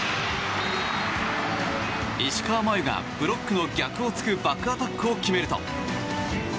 石川真佑が、ブロックの逆を突くバックアタックを決めると。